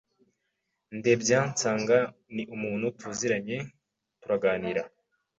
ndebya nsanga ni umuntu tuziranye turaganira